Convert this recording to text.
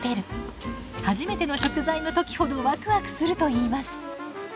初めての食材の時ほどワクワクするといいます。